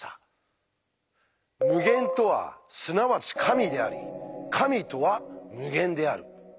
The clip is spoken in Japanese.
無限とはすなわち「神」であり神とは無限である。